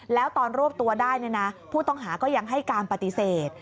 แล้วตอนรวบตัวได้ผู้ต้องหาก็ยังให้การปฏิเสธ